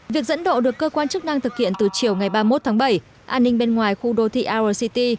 việc dẫn độ được cơ quan chức năng thực hiện từ chiều ngày ba mươi một tháng bảy an ninh bên ngoài khu đô thị our city